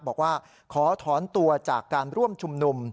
บอกว่าขอถอนตัวจากการร่วมชุมนุม